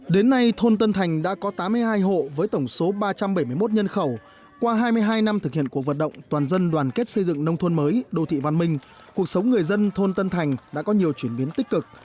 đến nay thôn tân thành đã có tám mươi hai hộ với tổng số ba trăm bảy mươi một nhân khẩu qua hai mươi hai năm thực hiện cuộc vận động toàn dân đoàn kết xây dựng nông thôn mới đô thị văn minh cuộc sống người dân thôn tân thành đã có nhiều chuyển biến tích cực